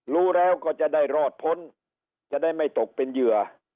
รู้แล้วก็จะได้รอดพ้นจะได้ไม่ตกเป็นเหยื่อ